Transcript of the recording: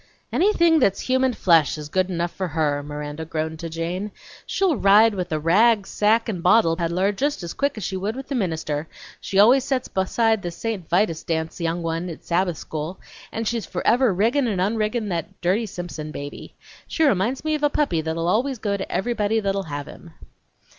"Anything that's human flesh is good enough for her!" Miranda groaned to Jane. "She'll ride with the rag sack and bottle peddler just as quick as she would with the minister; she always sets beside the St. Vitus' dance young one at Sabbath school; and she's forever riggin' and onriggin' that dirty Simpson baby! She reminds me of a puppy that'll always go to everybody that'll have him!"